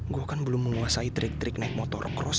gue kan belum menguasai trik trik naik motor cross